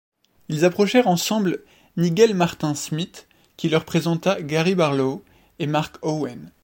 Ils approchèrent ensemble Nigel Martin Smith qui leur présenta Gary Barlow et Mark Owen.